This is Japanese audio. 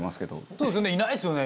そうですよねいないですよね。